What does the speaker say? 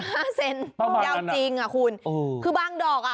ประมาณนั้นอ่ะใช่คุณยาวจริงอ่ะคุณคือบางดอกอ่ะ